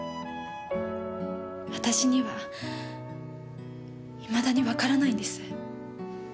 私にはいまだにわからないんです。